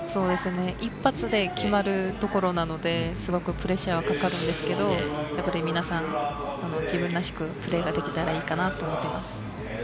一発で決まるところなので、すごくプレッシャーがかかるんですけれど皆さん、自分らしくプレーができたらいいかなと思っています。